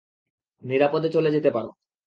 নিরাপদে চলে যেতে পার।